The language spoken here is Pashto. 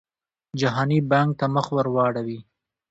جهاني بانک ته مخ ورواړوي.